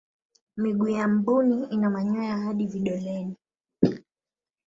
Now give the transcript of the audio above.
miguu ya mbuni ina manyoya hadi vidoleni